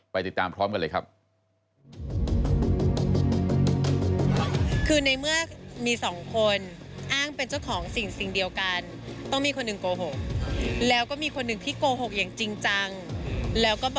ติดตามพร้อมกันเลยครับ